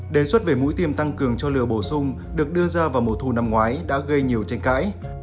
đề xuất về mũi tiêm tăng cường cho lửa bổ sung được đưa ra vào mùa thu năm ngoái đã gây nhiều tranh cãi